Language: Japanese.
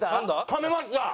噛めました！